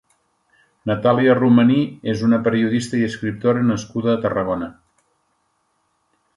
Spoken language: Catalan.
Natàlia Romaní és una periodista i escriptora nascuda a Tarragona.